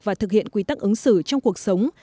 và thực hiện quy tắc ứng xử trong cuộc sống